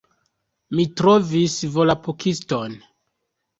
Mi trovis Volapukiston!